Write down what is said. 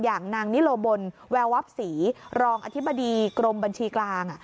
อย่างนางนิโลบนแววับศรีรองอธิบดีกรมบัญชีกลาง